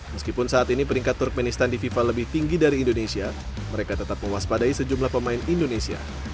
meskipun saat ini peringkat turkmenistan di fifa lebih tinggi dari indonesia mereka tetap mewaspadai sejumlah pemain indonesia